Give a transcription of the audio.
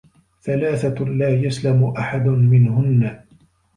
ثَلَاثَةٌ لَا يَسْلَمُ أَحَدٌ مِنْهُنَّ